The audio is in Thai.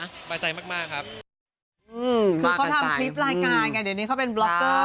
สบายใจมากครับ